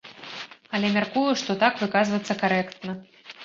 Але мяркую, што так выказвацца карэктна.